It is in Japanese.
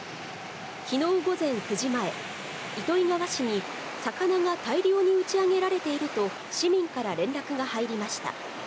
きのう午前９時前、糸魚川市に、魚が大量に打ち上げられていると、市民から連絡が入りました。